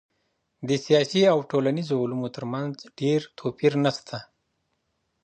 د سیاسي او ټولنیزو علومو ترمنځ ډېر توپیر نسته.